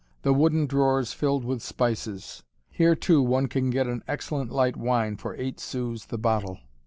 The wooden drawers filled with spices. Here, too, one can get an excellent light wine for eight sous the bottle.